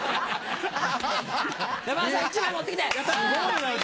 山田さん１枚持って来て。